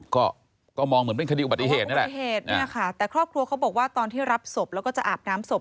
ก็ก็มองเหมือนเป็นคดีอุบัติเหตุนี่แหละ